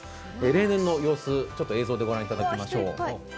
例年の様子を映像でご覧いただきましょう。